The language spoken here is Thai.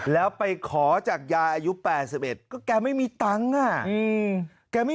แล้วไปขอจากยายอายุ๘๑ก็แกไม่มีตังค์อ่ะ